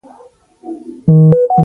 راځې رانجه د ستوروراوړو، واخترته ورځو